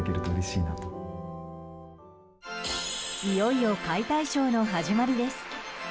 いよいよ解体ショーの始まりです。